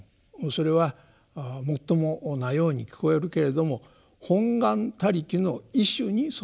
それはもっともなように聞こえるけれども「本願他力の意趣にそむけり」と。